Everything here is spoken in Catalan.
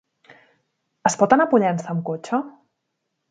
Es pot anar a Pollença amb cotxe?